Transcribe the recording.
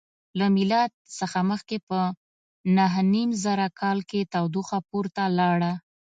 له میلاد څخه مخکې په نهه نیم زره کال کې تودوخه پورته لاړه.